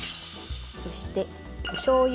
そしておしょうゆ。